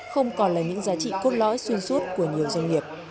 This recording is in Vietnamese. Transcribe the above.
không còn là những giá trị cốt lõi xuyên suốt của nhiều doanh nghiệp